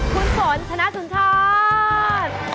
คุณฝนชนะสุนชอส